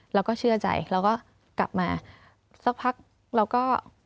เราก็เชื่อใจเราก็กลับมาสักพักเราก็